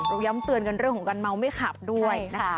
ย้ำเตือนกันเรื่องของการเมาไม่ขับด้วยนะคะ